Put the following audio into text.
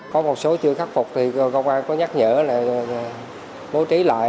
có một số chưa khắc phục thì công an có nhắc nhở là bố trí lại